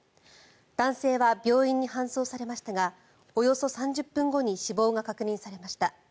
男性は病院に搬送されましたがおよそ３０分後に死亡が確認されました。